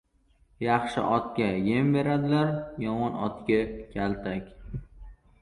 • Yaxshi otga yem beradilar, yomon otga ― kaltak.